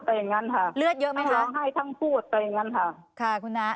แต่อย่างงั้นค่ะเลือดเยอะไหมคะให้ทั้งผู้แต่อย่างงั้นค่ะค่ะคุณน้ำ